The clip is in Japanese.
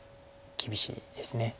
厳しいですね。